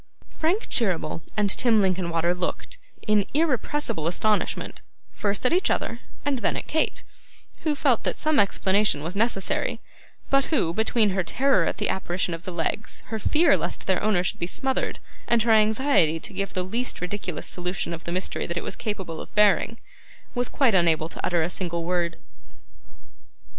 Frank Cheeryble and Tim Linkinwater looked, in irrepressible astonishment, first at each other and then at Kate, who felt that some explanation was necessary, but who, between her terror at the apparition of the legs, her fear lest their owner should be smothered, and her anxiety to give the least ridiculous solution of the mystery that it was capable of bearing, was quite unable to utter a single word.